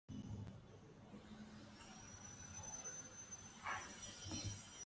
Moine house or Moin House is located east of the loch.